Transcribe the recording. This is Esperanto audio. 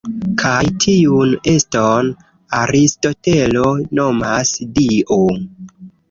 Kaj tiun eston Aristotelo nomas Dio.